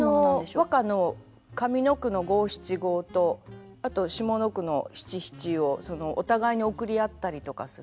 和歌の上の句の五七五とあと下の句の七七をお互いに送りあったりとかする。